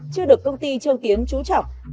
chưa được công ty châu tiến trú trọng